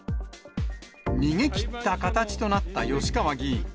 逃げきった形となった吉川議員。